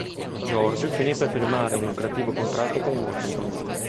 George finì per firmare un lucrativo contratto con Washington.